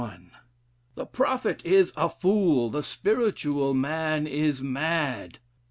'The prophet is a fool: the spiritual man is mad.'